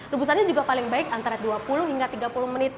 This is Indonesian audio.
rebusannya juga paling baik antara dua puluh hingga tiga puluh menit